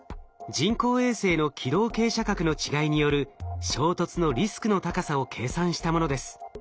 人工衛星の軌道傾斜角の違いによる衝突のリスクの高さを計算したものです。